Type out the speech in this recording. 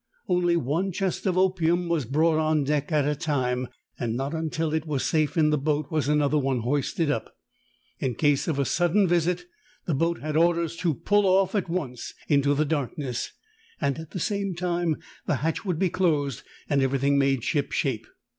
Only one chest of opium was brought on deck at a time, and not until it was safe in the boat was another one hoisted up. Incase of a sudden visit the boat had orders to pull off at once into the darkness, and at the same time the hatch would be closed and everything made ship shape.